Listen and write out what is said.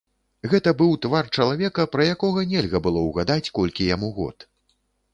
Гэта быў твар чалавека, пра якога нельга было ўгадаць, колькі яму год.